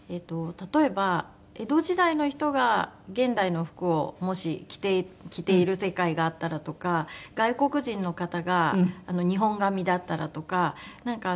例えば江戸時代の人が現代の服をもし着ている世界があったらとか外国人の方が日本髪だったらとかなんかあの。